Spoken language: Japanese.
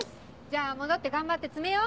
じゃあ戻って頑張って詰めよ！